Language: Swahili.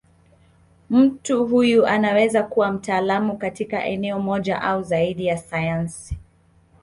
Mtu huyo anaweza kuwa mtaalamu katika eneo moja au zaidi ya sayansi.